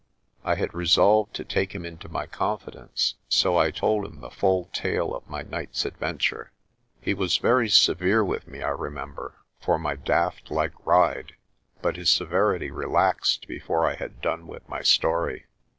I had resolved to take him into my confidence, so I told him the full tale of my night's adventure. He was very A GREAT PERIL 259 severe with me, I remember, for my daft like ride, but his severity relaxed before I had done with my story.